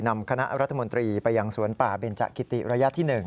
นำคณะรัฐมนตรีไปยังสวนป่าเบนจักิติระยะที่๑